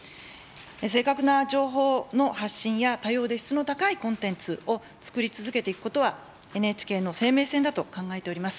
正確な情報の発信や、多様で質の高いコンテンツを作り続けていくことは、ＮＨＫの生命線だと考えております。